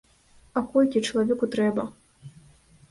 А колькі чалавеку трэба?